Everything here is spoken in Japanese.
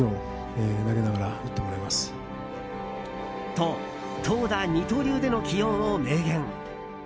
と、投打二刀流での起用を明言。